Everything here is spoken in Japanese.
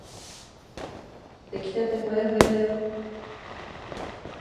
できたてほやほやだよ。